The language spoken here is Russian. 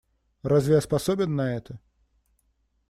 Разве я способен на это?